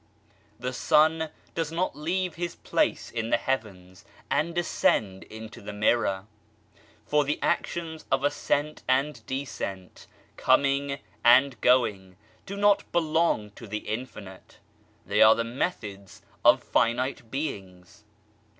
The Sun does not leave his place in the heavens and descend into the mirror, for the actions of ascent and descent, coming and going, do not belong to the Infinite, they are the methods of finite beings.